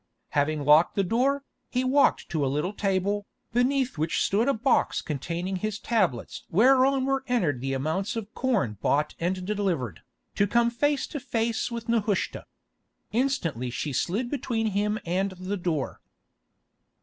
Having locked the door, he walked to a little table, beneath which stood a box containing his tablets whereon were entered the amounts of corn bought and delivered, to come face to face with Nehushta. Instantly she slid between him and the door.